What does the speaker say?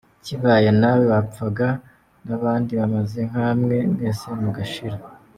Kibaye Nawe wapfaga nabandi bameze nkamwe mwese mugashira.